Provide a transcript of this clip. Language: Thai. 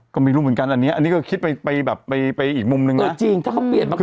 ก็ไม่รู้เหมือนกันอันนี้อันนี้ก็คิดไปไปแบบไปไปอีกมุมหนึ่งเออจริงถ้าเขาเปลี่ยนมาก็